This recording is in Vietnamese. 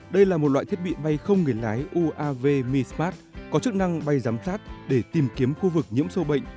đây là một loại thiết bị bay không người lái uav mismart có chức năng bay giám sát để tìm kiếm khu vực nhiễm sâu bệnh